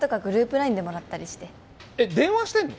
ＬＩＮＥでもらったりしてえっ電話してんの！？